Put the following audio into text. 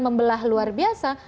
membelah luar biasa